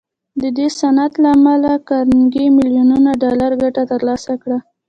د دې صنعت له امله کارنګي ميليونونه ډالر ګټه تر لاسه کړه.